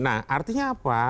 nah artinya apa